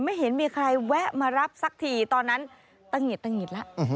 ไม่เห็นมีใครแวะมารับสักทีตอนนั้นตะหิดตะหิดแล้ว